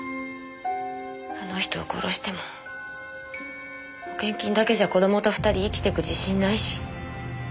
あの人を殺しても保険金だけじゃ子供と２人生きてく自信ないし。